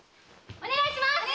お願いします！